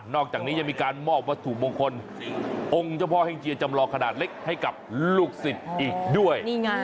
อกจากนี้ยังมีการมอบวัตถุมงคลองค์เจ้าพ่อแห่งเจียจำลองขนาดเล็กให้กับลูกศิษย์อีกด้วย